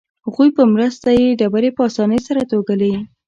هغوی په مرسته یې ډبرې په اسانۍ سره توږلې.